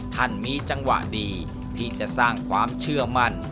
ท่านมีจังหวะดีที่จะสร้างความเชื่อมั่น